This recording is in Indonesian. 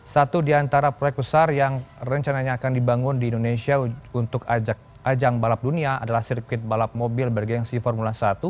satu di antara proyek besar yang rencananya akan dibangun di indonesia untuk ajang balap dunia adalah sirkuit balap mobil bergensi formula satu